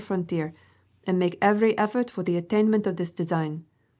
frontier, and to make every effort for the attainment of this design.'